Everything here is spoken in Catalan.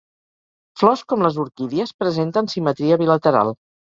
Flors com les orquídies presenten simetria bilateral.